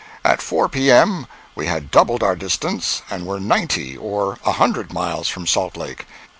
At four P.M. we had doubled our distance and were ninety or a hundred miles from Salt Lake.